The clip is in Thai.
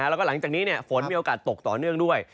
แล้วก็หลังจากนี้ฝนมีโอกาสตกต่อเนื่องด้วย